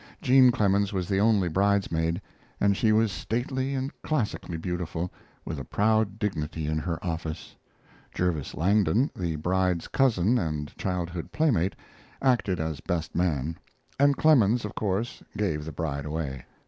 Jean Clemens was the only bridesmaid, and she was stately and classically beautiful, with a proud dignity in her office. Jervis Langdon, the bride's cousin and childhood playmate, acted as best man, and Clemens, of course, gave the bride away.